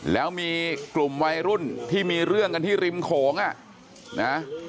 แล้วมีกลุ่มวัยรุ่นที่มีเรื่องกันที่ริมโขงอ่ะนะ